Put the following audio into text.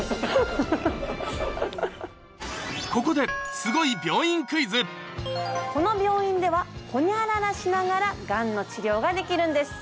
ここでこの病院ではホニャララしながらがんの治療ができるんです。